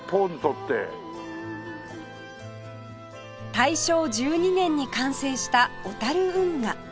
大正１２年に完成した小運河